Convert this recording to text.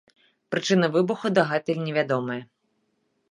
Прычыны выбуху дагэтуль невядомыя.